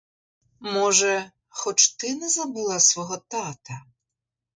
Може, хоч ти не забула свого тата.